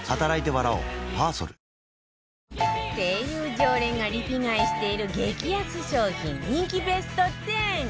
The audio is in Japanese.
常連がリピ買いしている激安商品人気ベスト１０